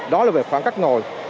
đó là về khoảng cách ngồi